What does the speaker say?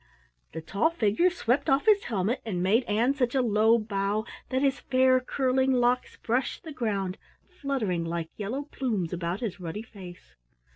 The tall figure swept off his helmet and made Ann such a low bow that his fair curling locks brushed the ground, fluttering like yellow plumes about his ruddy face.